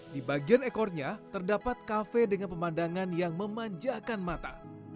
di bagian ekornya terdapat kafe dengan pemandangan yang memanjakan mata